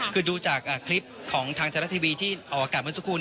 คือดูจากคลิปของทางทลักทร์ทีวีที่ออกกับเมื่อสักครู่